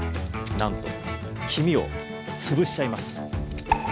なんと黄身をつぶしちゃいます！